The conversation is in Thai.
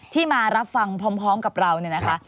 ที่มารับฟังพร้อมกับเราเนี่ยนะคะ